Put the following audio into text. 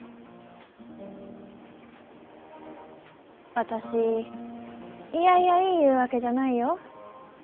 私いやいや言いゆうわけじゃないよ。